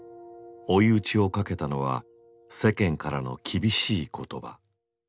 追い打ちをかけたのは世間からの厳しい言葉。